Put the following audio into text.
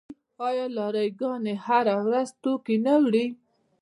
آیا لاری ګانې هره ورځ توکي نه وړي؟